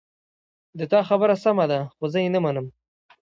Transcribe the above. د تا خبره سمه ده خو زه یې نه منم